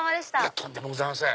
とんでもございません。